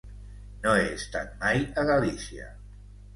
No he estat mai a Galícia.